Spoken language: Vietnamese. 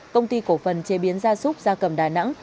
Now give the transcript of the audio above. công ty cổ phần chế biến gia súc gia cầm đà nẵng